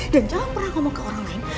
dan jangan pernah ngomong ke orang lain